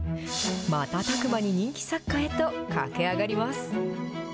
またたく間に人気作家へと駆け上がります。